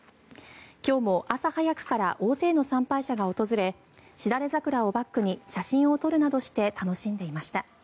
今日も朝早くから大勢の参拝者が訪れシダレザクラをバックに写真を撮るなどして楽しんでいました。